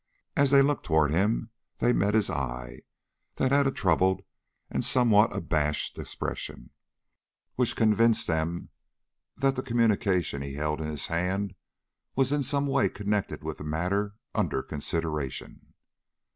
As they looked toward him they met his eye, that had a troubled and somewhat abashed expression, which convinced them that the communication he held in his hand was in some way connected with the matter under consideration.